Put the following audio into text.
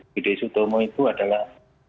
ugd sutomo itu adalah